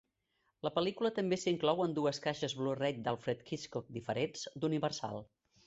La pel·lícula també s'inclou en dues caixes Blu-ray d'Alfred Hitchcock diferents d'Universal.